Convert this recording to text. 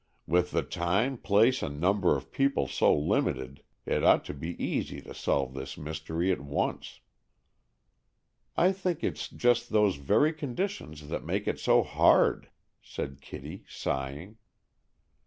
"With the time, place, and number of people so limited, it ought to be easy to solve this mystery at once." "I think it's just those very conditions that make it so hard," said Kitty, sighing.